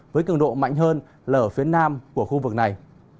với cường độ mạnh hơn là ở phía nam của khu vực này